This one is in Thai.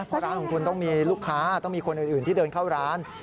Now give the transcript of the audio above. เพราะร้านของคุณต้องมีลูกค้าต้องมีคนอื่นที่เดินเข้าร้าน